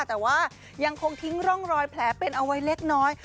แต่ว่ายังคงทิ้งร่องรอยแผลเป็นเอาไว้เล็กน้อย